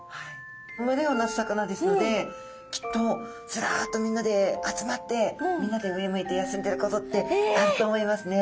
群れを成す魚ですのできっとズラッとみんなで集まってみんなで上向いて休んでることってあると思いますね。